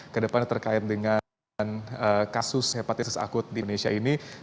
kedepannya terkait dengan kasus hepatitis akut di indonesia ini